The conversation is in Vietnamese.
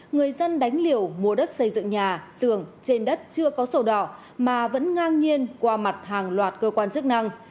người dân đánh liều mua đất xây dựng nhà xưởng trên đất chưa có sổ đỏ mà vẫn ngang nhiên qua mặt hàng loạt cơ quan chức năng